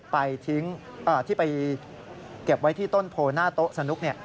ไปทิ้งที่ไปเก็บไว้ที่ต้นโพหน้าโต๊ะสนุก